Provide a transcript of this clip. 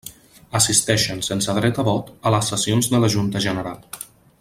Assisteixen, sense dret a vot, a les sessions de la Junta General.